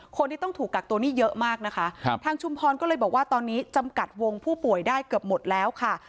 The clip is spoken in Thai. คนที่ต้องถูกกักตัวนี่เยอะมากนะคะครับทางชุมพรก็เลยบอกว่าตอนนี้จำกัดวงผู้ป่วยได้เกือบหมดแล้วค่ะ